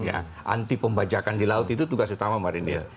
anti pembajakan di laut itu tugas utama marinir